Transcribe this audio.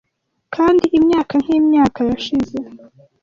Kandi imyaka nkimyaka yashize.